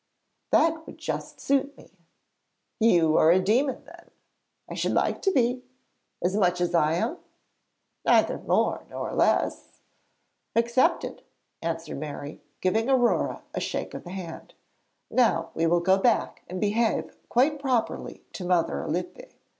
'That would just suit me.' 'You are a demon then!' 'I should like to be.' 'As much as I am?' 'Neither more nor less.' 'Accepted,' answered Mary, giving Aurore a shake of the hand. 'Now we will go back and behave quite properly to Mother Alippe.